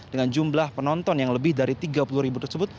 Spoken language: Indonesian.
dengan jumlah penonton yang lebih dari tiga puluh ribu tersebut